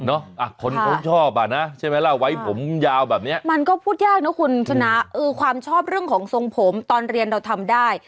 คนเขาชอบอ่ะนะใช่ไหมล่ะไว้ผมยาวแบบนี้มันก็พูดยากนะคุณชนะเออความชอบเรื่องของทรงผมตอนเรียนเราทำได้